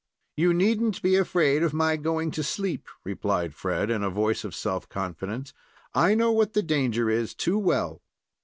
"You need n't be afraid of my going to sleep," replied Fred, in a voice of self confidence. "I know what the danger is too well."